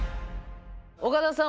岡田さん